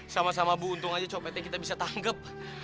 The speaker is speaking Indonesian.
sama sama bu untung aja copetnya kita bisa tanggep